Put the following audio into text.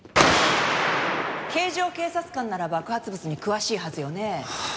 警乗警察官なら爆発物に詳しいはずよね。